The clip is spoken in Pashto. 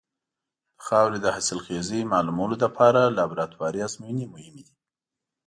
د خاورې د حاصلخېزۍ معلومولو لپاره لابراتواري ازموینې مهمې دي.